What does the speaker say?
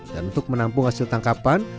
dan untuk menampung hasil tangkapan